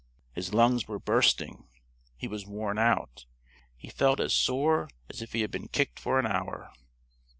His lungs were bursting. He was worn out. He felt as sore as if he had been kicked for an hour.